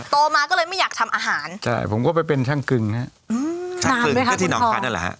ตัวมาก็เลยไม่อยากทำอาหารใช่ผมก็ไปเป็นช่างกึงฮะอืมนานไหมครับคุณทอง